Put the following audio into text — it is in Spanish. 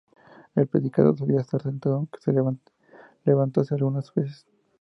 El predicador solía estar sentado aunque se levantase algunas veces.